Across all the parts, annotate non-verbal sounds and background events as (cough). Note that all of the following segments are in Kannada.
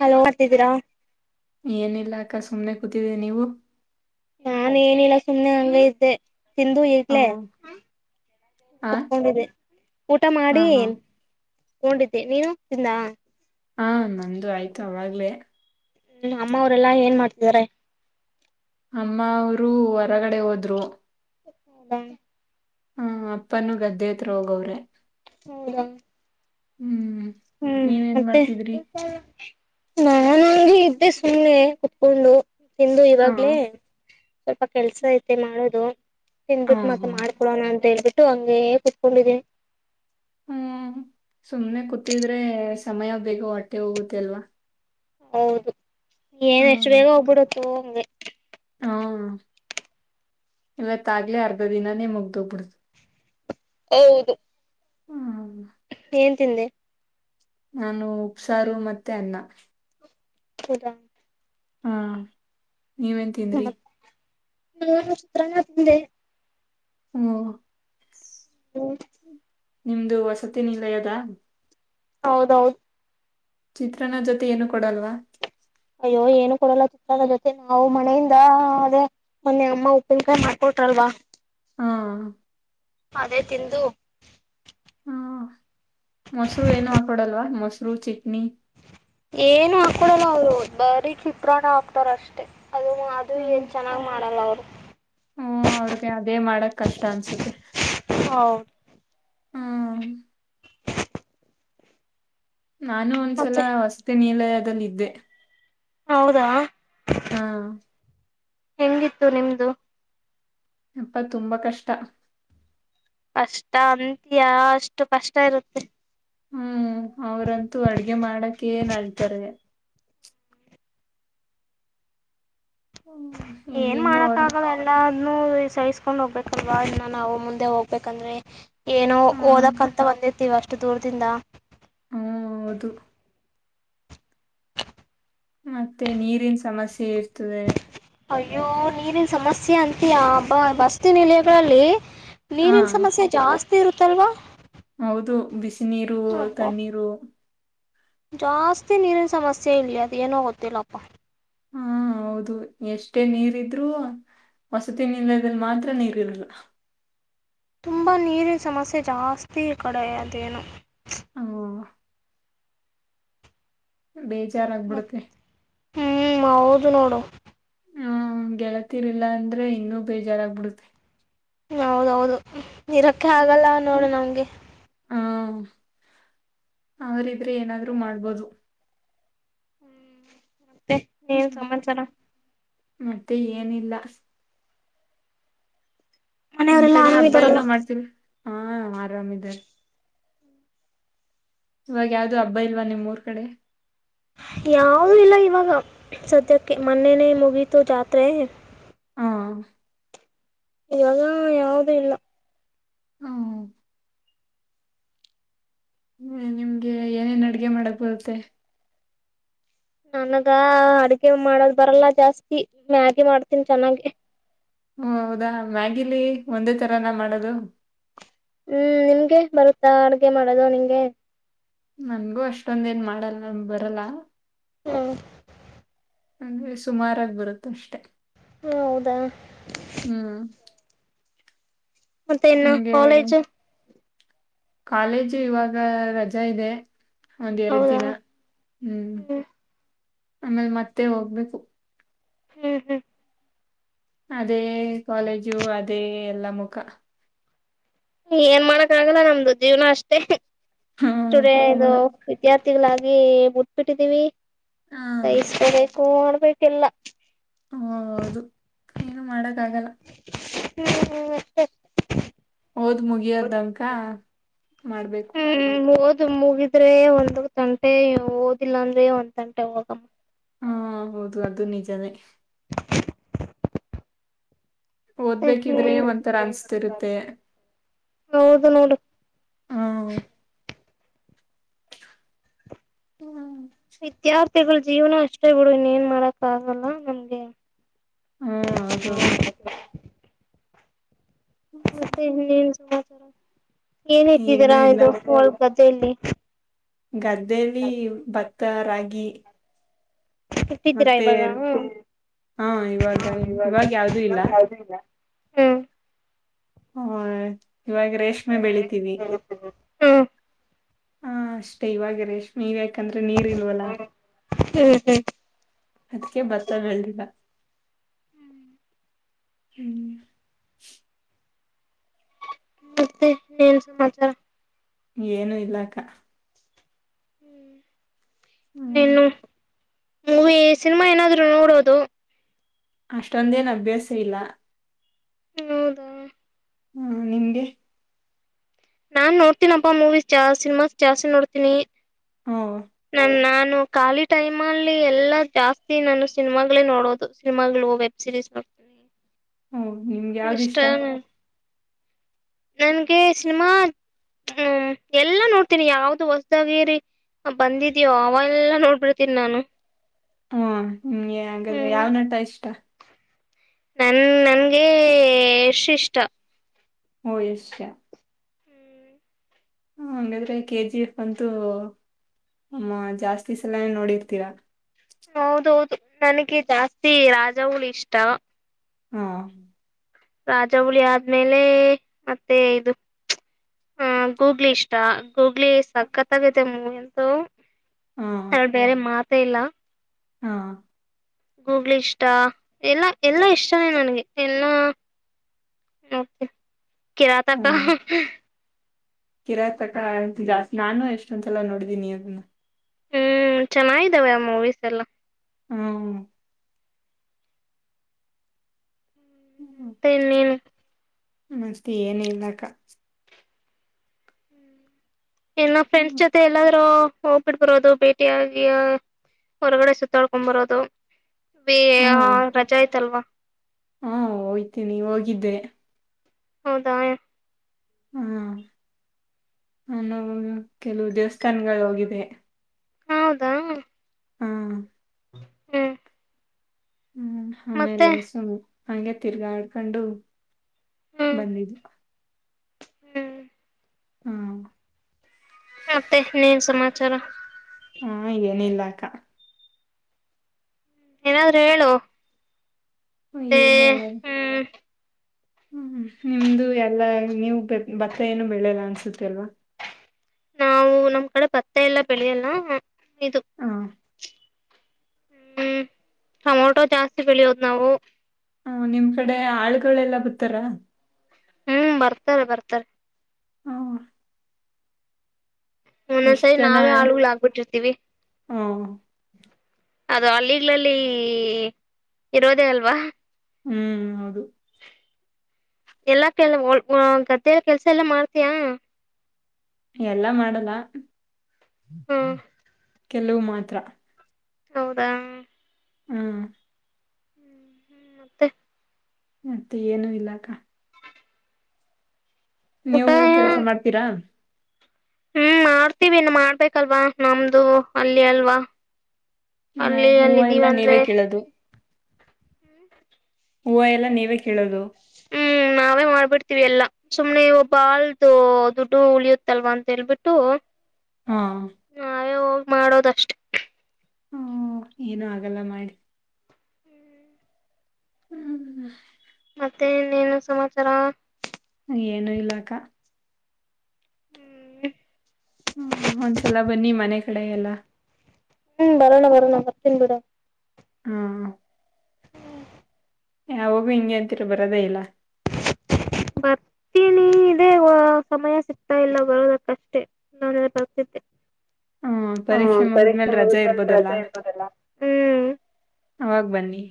ಹಲೋ ಮಾಡ್ತಿದ್ದೀರಾ ಏನಿಲ್ಲಾ ಅಕ್ಕ ಸುಮ್ನೆ ಕೂತಿದೆ ನೀವು ನಾ ಏನಿಲ್ಲ ಸುಮ್ಮ್ನೆ ಹಂಗ ಇದ್ದೆ ತಿಂದು ಹ ಈಗ್ಲೆೇ ಆ ಕುತ್ಕೊಂಡಿದ್ದೆ ಊಟ ಹಾ ಮಾಡಿ ಹಾ ನೊಂಡಿದ್ದೆ ನೀನು ತಿಂದ ಹಾ ನಂದು ಆಯ್ತು ಅವಾಗ್ಲೇ ಹೂ ಅಮ್ಮವರೆಲ್ಲಾ ಏನ್ ಮಾಡ್ತಿದಿದ್ದಾರೆ ಅಮ್ಮ ಅವರು ಹೊರಗಡೆ ಹೋದ್ರು ಹ ಹ್ಮ ಅಪ್ಪನು ಗದ್ದೆ ಹತ್ರ ಹೋಗವ್ರೆ ಹ್ಮ ಹ್ಮ್ ಹ್ಮ್ ನೀವೇನ್ ಮತ್ತೆ ಮಾಡ್ತಿದ್ರಿ ನಾನಂಗ ಇದ್ದೆ ಸುಮ್ನೆ ಕುತ್ಕೊಂಡು ತಿಂದು ಹ ಇವಾಗ್ಲೇ ಸ್ವಲ್ಪ ಕೆಲ್ಸ ಐತೆ ಮಾಡೋದು ಹ ತಿಿಂದ್ಬಿಟ್ಟ ಮತ್ೆ ಹ ಮಾಡಕೊಡೋಣ ಅಂತ ಹೇಳ್ಬಿಟ್ಟು ಬಿಟ್ಟಂಗ ಏ ಕುತ್ಕೊಂಡಿದೆ ಹ್ಮ್ ಸುಮ್ನೆ ಕೂತಿದ್ರೆ ಸಮಯ ಬಗು ಹೊಟ್ಟೆ ಹೋಗುತ್ತೆ ಅಲ್ವಾ ಹೌದು ಏನ್ ಎಷ್ಟು ಬೇಗ ಹೋಗ್ಬಿಡತ್ತು ಹ ಹಇವತ್ತಾಗ್ಲೆ ಅರ್ಧ ದಿನಾನೇ ಮುಗ್ದೋಗ್ಬಿಡ್ತು ಹೌದು ಹ ಹೌದು ಏನ್ ತಿಂದೆ ನಾನು ಉಪ್ಸಾರು ಮತ್ತೆ ಅನ್ನ ಹೌದಾ ಹ ನೀವೇನ್ ತಿಂದ್ರಿ ನಾನು ಚಿತ್ರಾನ್ನ ತಿಂದೆ ಹೂ ಹೂ ನಿಮ್ದು ವಸತಿ ನಿಲಯದ ಹೌದೌದು ಚಿತ್ರನ ಜೊತೆ ಏನು ಕೊಡಲ್ವಾ ಅಯ್ಯೋ ಏನು ಕೊಡಲ್ಲ ಚತ್ರದ ಜೊತೆ ನಾವು ಮನೆಯಿಂದ ಅದೇ ಮೊನ್ನೆ ಅಮ್ಮ ಉಪ್ಪಿನಕಾಯಿ ಮಾಡ್ಕೊಟ್ರಲ್ವಾ ಹಾ ಅದೇ ತಿಂದು ಹಾ ಮೊಸರು ಏನು ಹಾಕೊಡಲ್ವಾ ಮೊಸರು ಚಿಟ್ನಿ ಏನು ಹಾಕೊಡಲ್ಲ ಅವ್ರು ಬರೀ ಚಿತ್ರಾನ್ನ ಹಾಕ್ತಾರ ಅಷ್ಟೇ ಅದು ಅದು ಏನ್ ಚೆನ್ನಾಗ್ ಮಾಡಲ್ಲ ಅವ್ರು ಹ ಅವ್ರಿಗೆ ಅದೇ ಮಾಡಕ್ ಕಷ್ಟ ಅನ್ಸುತ್ತೆ ಹೌದು ಹ್ಮ್ ನಾನು ಒಂದ್ಸಲ ಮತ್ತೆ ವಸತಿನಿಲಯ ಲ್ಲಿದ್ದೆ ಹೌದಾ ಹಾ ಹೆಂಗಿತ್ತು ನಿಮ್ದು ಅಪ್ಪಾ ತುಂಬಾ ಕಷ್ಟ ಕಷ್ಟ ಅಂತಯ ಅಷ್ಟು ಕಷ್ಟ ಇರುತ್ತೆ ಹೂ ಅವ್ರಂತೂ ಅಡ್ಗೆ ಮಾಡಕ ಏನ್ ಆಳ್ತಾರೆ ಏನ್ ಹೆಂಗೆಂಗ ಮಾಡಕ್ಕ ಅವರು ಆಗಲ್ಲ ಎಲ್ಲ ಇನ್ನು ಸಹಿಸ್ಕೊಂಡ್ ಹೋಗ್ಬೇಕಲ್ವಾ ಇನ್ನ ನಾವು ಮುಂದೆ ಹೋಗ್ಬೇಕಂದ್ರೆ ಏನೋ ಹ ಹ್ಮ್ ಓದಕಂತ ಬಂದಿರ್ತೀವ ಅಷ್ಟು ದೂರದಿಂದ ಹೌದು ಮತ್ತೆ ನೀರಿನ ಸಮಸ್ಯೆ ಇರ್ತದೆ ಅಯ್ಯೋ ನೀರಿನ ಸಮಸ್ಯೆ ಅಂತಯ ಅಬ್ಬಾ ವಸತಿ ನಿಲಯಗಳಲ್ಲಿ ಹ ನೀರಿನ ಸಮಸ್ಯೆ ಜಾಸ್ತಿ ಇರುತ್ತಲ್ವಾ ಹೌದು ಬಿಸಿ ನೀರು ಅಬ್ಬ ತಣ್ಣೀರು ಜಾಸ್ತಿ ನೀರಿನ ಸಮಸ್ಯೆ ಇಲ್ಲಿ ಅದ ಏನೋ ಗೊತ್ತಿಲ್ಲಪ್ಪಾ ಹಾ ಹೌದು ಎಷ್ಟೇ ನೀರ ಇದ್ರೂ ವಸತಿ ನಿಲದಲ್ಲಿ ಮಾತ್ರ ನೀರಿರಲ್ಲ ತುಂಬಾ ನೀರಿನ ಸಮಸ್ಯೆ ಜಾಸ್ತಿ ಕಡೆ ಅದೇನು ಹ ಮತ್ ಬೇಜಾರಾಗಬಿಡುತ್ತೆ. ಹ್ಮ್ ಹೌದು ನೋಡು. ಹ್ಮ ಗೆಳತಿರ್ಲಿಲ್ಲ ಅಂದ್ರೆ ಇನ್ನುೂ ಬೇಜಾರಾಗ್ಬಿಡುತ್ತೆ. ಹೌದೌದು. ಇರಕ್ಕೆೆ ಆಗಲ್ಲ ನೋಡು ನಮ್ಗೆ. ಹ್ಮ ಅವ್ರ ಇದ್ರೆ ಏನಾದ್ರರು ಮಾಡ್ಬೋದು. ಹ್ಮ್ ಮತ್ತೆ ಹ್ಮ್ ಏನ್ ಸಮಾಚಾರ. ಮತ್ತೆ ಏನಿಲ್ಲ. ನಿಮ್ ಮನೆಯವರೆಲ್ಲಾ ಕಡೆ ಹಬ್ಬಾ ಆರಾಮಿದಾರಲ್ಲ ಏನೋ ಮಾಡ್ತಿೀರಿ. ಹಾ ಆರಾಮಿದಾರೆ. ಇವಾಗ ಯಾವ್ದು ಹಬ್ಬ ಇಲ್ವಾ ನಿಮ್ಮೂರ್ ಕಡೆ. ಯಾದೂ ಇಲ್ಲ ಇವಾಗ ಸದ್ಯಕ್ಕೆ ಮೊನ್ನೆನೆೇ ಮುಗೀತು ಜಾತ್ರೆ. ಹಾ ಇವಾಗ ಯಾಾವದ ಇಲ್ಲ. ಹ್ಮ್ ಹ್ಮ್ ನಿಮ್ಗೆ ಏನೇನ್ ಅಡ್ಗೆ ಮಾಡಕ್ ಬರುತ್ತೆ. ನನಗ ಅಡ್ಗೆ ಮಾಡದ ಬರಲ್ಲ ಜಾಸ್ತಿ ಮ್ಯಾಗಿ ಮಾಡ್ತೀನಿ ಚೆನ್ನಾಗಿ. ಹ ಹೌದಾ ಮ್ಯಾಗಿಲಿ ಒಂದೇ ತರಾನ ಮಾಡದು. ಹ್ಮ್ ನಿಮಗೆ ಬರುತ್ತಾ ಅಡ್ಗೆ ಮಾಡದು ನಿಂಗೆ. ನನ್ಗೂ ಅಷ್ಟೊಂದ ಏನ್ ಮಾಡಲ್ಲ ಬರಲ್ಲ. ಹ್ಮ ಅಂದ್ರೆ ಸುಮಾರಾಗಿ ಬರುತ್ತ ಅಷ್ಟೆ. ಹೊ ಹೌದಾ. ಹ್ಮ್ ಮತ್ತೆ ಇನ್ನ ನಿಮ್ಗೆ ಕಾಲೇಜ್. ಕಾಲೇಜು ಇವಾಗ ರಜಾ ಇದೆ ಒಂದ್ ಎರಡು ಹೌದಾ ದಿನ ಹ್ಮ್ ಆಮೇಲೆ ಮತ್ತೆ ಹೋಗ್ಬೇಕು. ಹ್ಮ್ ಹ್ಮ್ ಅದೇ ಕಾಲೇಜು ಅದೇ ಎಲ್ಲಾ ಮುಖ. ಏನ್ ಮಾಡಕ್ ಆಗಲ್ಲ ನಮ್ದು ಜೀವ್ನ ಅಷ್ಟೇ. ಹಾ ಇದು ಹೌದು ವಿದ್ಯಾರ್ಥಿ. ಗಳಾಗಿ ಮುಟ್ಬಿಟ್ಟಿದ್ದೀವಿ. ಹಾ (unintelligible) ಹ ಮಾಡ್ಬೇಕಲ್ಲ. ಹ ಹೌದು ಏನು ಮಾಡಕ್ ಗಲ್ಲ. ಹ್ಮ್ಮ ಮತ್ತೆ. ಹೋದ್ ಮುಗಿಯ್ದನಕ ಮಾಡ್ಬೇಕು. ಹ್ಮ್ ಓದು ಮುಗಿದ್ರೆ ಒಂದು ತಂಟೆ ಓದಿಲ್ಲ ಅಂದ್ರೆ ಒಂದ್ ತಂಟೆ ಹೋಗಮ್ಮ. ಹಾ ಆ ಹೌದು ಅದು ನಿಜನೇ. ಓದ್ಬೇಕಿದ್ರೆ ಒಂಥರ ಅನ್ಸ್ತಿರುತ್ತೆ ಮತ್ತೆ ಹೌದು ನೋಡು ಹ್ಮ. ಹ್ಮ್ ವಿದ್ಯಾರ್ಥಿಗಳು ಜೀವನ ಅಷ್ಟೇ ಬಿಡು ಇನ್ನ ಏನ್ ಮಾಡಕ್ ಆಗಲ್ಲ ನಮ್ಗೆ. ಹ್ಮ್, ಅಕ್ಕ ಹೌದು. ಮತ್ತೆ ಇನ್ನೇನ್ ಸುಮಾಚ್ ಚರ. ಏನ್ ಇಟ್ಟಿದೀರಾ ಇದು ಹೊಲ್ ದೆಲ್ಲಿ ಗದ್ದಲಿ ಭತ ರಾ ಗಿ. ಇಟ್ಟೀರಾ ಇವಾಗ ಹಾ ಇವಾಗ ಯಹಾ ಇವಾಗ ಯಾವ್ದೂ ಇಲ್ಲ ಇವಾಗ್ ಯಾವುದು ಇಲ್ಲ. ಹ್ಮ ಇವಾಗ ರೇಷ್ಮೆ ಬೆಳಿತೀವಿ. ಹ್ಮ್ ಹಾ ಅಷ್ಟೇ ಇವಾಗ ರೇಷ್ಮೆನೀವ ಯ್ಯಾಕ್ ಯಾಕಂದ್ರೆ ನೀರ್ ಇಲ್ವಲ್ಲ ಹ್ಮ್ ಅದಕ್ಕೆ ಭತ್ತ ಬೆಳದಿಲ್ಲ. ಹ್ಮ್ ಮತ್ತೆ ಇನ್ನ ಏನ್ ಸಮಾಚಾರ. ಏನು ಇಲ್ಲಾ ಅಕ್ಕಾ. ಹ್ಮ್ ಮತ್ತ್ ಹ್ಮ್ ಇನ್ನಯೇನು. ಮೂವಿ ಸಿನಿಮಾ ಏನಾದ್ರು ನೋಡೋದು. ಅಷ್ಟೊಂದೇನ್ ಅಭ್ಯಾಸ ಇಲ್ಲ. ಹೌದಾ. ಹಾ ನಿಮಗೆ ನಾನ್ ನೋಡ್ತೀನಪ್ಪಾ ಮೂವೀ ಜಾಸ್ತಿ ಸಿನಿಮಾಸ್ ಜಾಸ್ತಿ ನೋಡ್ತೀನಿ ಓ ನನ್ ನಾ ನ ಖಾಲಿ ಟೈಮ್ ಅಲ್ಲಿ ಎಲ್ಲಾ ಜಾಸ್ತಿ ನಾನು ಸಿನಿಮಾಗಳೇ ನೋಡೋದು ಸಿನಿಮಾಗಳು ವೆಬ್ ಸೀರೀಸ್ ನೋಡ್ತನಿ. ಹಓ ನಿಮ್ಗೆ ಯಾವ್ದ ಇಷ್ಟ. ನನ್ಗೆ ಸಿನಿಮಾ ಹ್ಮ್ ಎಲ್ಲಾ ನೋಡ್ತೀನಿ ಯಾವ್ದು ಹೊಸ್ದಾಗಿರಿ ಬಂದಿದ್ಯೋ ಅವೆಲ್ಲ ನೋಡ್ಬಿಡ್ತೀನಿ ನಾನು. ಹ್ಮ ಹಗೆ ಹಾಗಾದ್ರೆ ಹ್ಮ್ ಯಾವ್ ನಟ ಇಷ್ಟ. ನನ್ ನನ್ಗೆ ಯಶ್ ಇಷ್ಟ. ಓ ಯಶ್. ಹ ಹಾಗಂಗಾದ್ರೆ ಕೆ ಜಿ ಎಫ್ ಅಂತೂ ಅ ಜಾಸ್ತಿ ಸಲೇ ನೋಡಿರ್ತೀರಾ ಹೌದೌದು ನನಗೆ ಜಾಸ್ತಿ ರಾಜ ಹುಲಿ ಇಷ್ಟ. ಹ್ಮ ರಾಜ ಹುಲಿ ಆದ್ಮೇಲೆ ಮತ್ತೆ ಇದು ಅಹ ಗೂಗ್ಲಿ ಇಷ್ಟ ಗೂಗ್ಲಿ ಸಕತ್ತಾಆಗೈತೆದೆ ಮೂವಿ ಅಂತೂ. ಹಾ ಅ ಬೇರೆ ಮಾತ್. ಅತ್ತ ಇಲ್ಲ ಹಾ ಗೂಗ್ಲ್ ಇಷ್ಟ ಎಲ್ಲ ಎಲ್ಲಾ ಇಷ್ಟೇ ನನಗೆ ಎಲ್ಲೆ ನೋಡುತ್ತೇನೆ ಕಿರಾತಕ (unintelligible) ಕಿರತಕಾರ ಜಾಸ್ತಿ ನಾನು ಎಷ್ಟೊಂತೆಲ್ಲ ನೋಡಿದೀನಿ ಅನ್ನ ಹ್ಮ್ ಚೆನ್ನಾಗಿದ್ದಾವೆ ಆ ಮೂವೀಸ್ ಎಲ್ಲ ಹ್ಮ ಮತ್ತೆ ಇನ್ನೇನು ಮತ್ತೆ ಏನ ಇಲ್ಲ ಅಕ್ಕ ಏನ್ನ ಫ್ರೆಂಡ್ಸ್ ಹ್ಮ್ ಜೊತೆ ಎಲ್ಲಾದರೂ ಹೋಗ್ಬಿಡ್ ಬರೋದು ಭೇಟಿಿಯಾಗಿ ಹೊರಗಡೆ ಸುತ್ತಾಡ್ಕೊಂಡ್ ಬರೋದು ಬೇ ಹ್ಮ ರಜಾ ಆಯ್ತಲ್ವಾ ಹಾ ಹಯ್ತೀನೆಿ ಹೋಗಿದ್ದೆ ಹೌದಾ ಹಾ ನಾವು ಕೆಲವು ದೇವಸ್ಥಾನಗಳು ಹೋಗಿವೆ ಹೌದಾ ಹ್ಮ ಹ್ಮ್ ಹ್ಮ್ ಮತ್ತೆ ಆಮೇಲೆ ಸುಮ್ಮು ಹಂಗೆ ತಿರ್ಗಾಡ್ಕೊಂಡು ಹ್ಮ್ ಬಂದಿದು ಹ್ಮ್ ಹ್ಮ್ ಮತ್ತೆ ಏನೂ ಸಮಾಚಾರ ಹಾ ಏನಿಲ್ಲಾ ಅಕ್ಕ ಏನಾದ್ರೂ ಎಳ್ಳು ಹ ಏನ್ ಹೇಳದು ಹ್ಮ್ ನಿಮ್ದು ಎಲ್ಲಾ ನೀವು ಭತ್ತ ಏನು ಬೆಳೆಲ್ಲ ಅನ್ಸುತ್ತ ಅಲ್ವಾ ನಾವು ನಮ್ ಕಡೆ ಬತ್ತ ಎಲ್ಲ ಬೆಳಿಯಲ್ಲ. ಇದು. ಹ ಹ್ಮ್ ಟೊಮೊಟೊ ಜಾಸ್ತಿ ಬೆಳಿಯೋದ್ ನಾವು ಹ್ಮ ನಿಮ್ ಕಡೆ ಆಳ್ಗಳೆಲ್ಲಾ ಬತ್ತಾರ ಹ್ಮ್ ಬರ್ತಾರೆ ಬರ್ತಾರೆ ಹ ಎಷ್ಟ್ ಒಂದೊಂದ್ಸರಿ ಜನ ನಾವೇ ಆಳ್ಗಳ ಆಗ್ಬಿಟ್ಟಿರ್ತೀವಿ ಹ ಅದು ಅಲ್ಲಿಗ್ಲಲ್ಲಿ ಇರೋದೇ ಅಲ್ವಾ ಹ್ಮ್ ಹೌದು ಎಲ್ಲಾ ಕೆ ಓ ಓ ಗದ್ದೆಲ್ಲ ಕೆಲ್ಸ ಎಲ್ಲ ಮಾಡ್ತಯಾ ಎಲ್ಲಾ ಮಾಡಲ್ಲ ಹ್ಮ್ (unintelligible) ಕೆಲವು ಮಾತ್ರ ಹೌದಾ ಹ್ಮ್ ಹ್ಮ್ ಹ್ಮ್ ಮತ್ತೆ ಮತ್ತೆ ಏನು ಇಲ್ಲ ಅಕ್ಕ ಊಟ ನೀವು ಕೆಲ್ಸ ಮಾಡ್ತೀರಾ ಹ್ಮ್ ಮಾಡ್ತೀವಿನ್ ಮಾಡ್ಬೇಕಲ್ವಾ ನಮ್ದು ಅಲ್ಲಿ ಅಲ್ವಾ. ಹ್ಮ್ ಅಲ್ಲಿ ಅಲ್ಲಿ ಹೂವು ಇದೀವಿ ಎಲ್ಲಾ ಅಂದ್ರೆ ನೀವೇ ಕೀಳಧೂ. ಹೂವು ಎಲ್ಲ ನೀವೇ ಕೀಳೋದು. ಹ್ಮ್ ನಾವೇ ಮಾಡ್ಬಿಡ್ತಿೀವಿ. ಎಲ್ಲಾ ಸುಮ್ನೆ ಒಬ್ಬಾಳ್ದು ದುಡ್ಡು ಉಳಿಯುತ್ತಲ್ವಾ ಅಂತ ಹೇಳ್ಬಿಟ್ಟು. ಹಾ. ಮಾಡೋದಷ್ಟೇ. ಹಓ ಏನುೂ ಆಗಲ್ಲ ಮಾಡಿ. ಹ್ಮ್. ಹ್ಮ್. ಮತ್ತೆ ಇನ್ನೇನೂ ಸಮಾಚಾರ. ಏನು ಇಲ್ಲ್ ಅಕ್ಕ. ಹ್ಮ್. ಹ ಒಂದ್ಸಲ ಬನ್ನಿ ಮನೆ ಕಡೆ ಎಲ್ಲ. ಹ್ಮ್ ಬರೋಣ ಬರೋಣ ಬರ್ತೀನ್ ಬಿಡ. ಹಾ. ಯ ಯಾವಾಗು ಹಿಂಗೆ ಅಂತೀರಾ ಬರೋದೇ ಇಲ್ಲ. ಬರ್ತೀನಿ ಇದೆ ಸಮಯ ಸಿಗ್ತಾ ಇಲ್ಲ ಬರೋದಕ್ಕಷ್ಟೇ. ನ ಬರ್ತಿದ್ದೆ ಹ್ಮ ಪರೀಕ್ಷೆ ಮುಗಿದ್ಮೇಲೆ ರಜೆ ಮುಗುದ್ಮೇಲೆ ಇರ್ಬೋದಲ್ಲ ರಜೆ ಇರ್ಬೋದಲ್ಲ. ಹ್ಮ, ಅವಾಗ ಬನ್ನಿ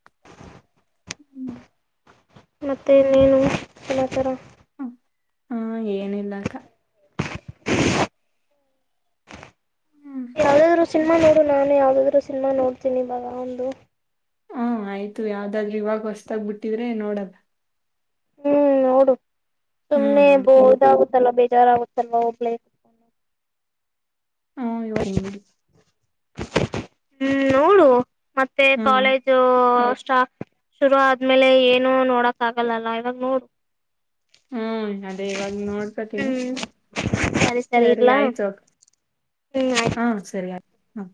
(inaudible) ಹ್ಮ್. ಮತ್ತೆ ಇನ್ನೇನು ಸಮಾಚಾರ. ಹಾ ಏನಿಲ್ಲ ಅಕ್ಕ. ಹ್ಮ್ ಯಾವ್ದಾದ್ರು ಸಿನಿಮಾ ನೋಡು. ನಾನು ಯಾವ್ದಾದ್ರು ಸಿನ್ಮಾ ನೋಡ್ತೀನಿ. ಬಾಗ ಒಂದು. ಹ ಆಯ್ತು ಯಾವ್ದಾದ್ರರು ಇವಾಗ ಹೊಸತಾಗ್ಬ ಬಿಟ್ಟಿದ್ರೆ ನೋಡನಾ. ಹ್ಮ್ ನೋಡು. ಹ್ಮ್ ಸುಮ್ನೆ ಇದು ಬೌ ನೋಡ್ತೀನಿ ಆಗುತ್ತಲ ಬೇಜಾರ್ ಆಗುತ್ತಲ. ಸಲ್ವ ಹಬಲ ಹಾ ಇವ ಮೂಡಿ ಹ್ಮ್ ನೋಡು. ಮತ್ತೆ ಹ್ಮ್ ಕಾಲೇಜು ಶುರು ಆದ್ಮೇಲೆ ಏನು ನೋಡಕ್ ಆಗಲ್ಲಲ್ಲ. ಇವಾಗ ನೋಡು ಹ್ಮ್ ಅದೇ ಇವಾಗ್ ನೋಡ್ಸತನಿ. ಹ್ಮ್ ಸರಿ ಆಯ್ತು. ಹ್ಮ್ ಆಯ್ತು ಹಾ ಸರಿ ಆಯ್ತು. ಹಾ.